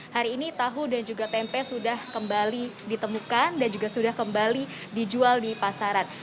hari ini tahu dan juga tempe sudah kembali ditemukan dan juga sudah kembali dijual di pasaran